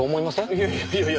いやいやいや。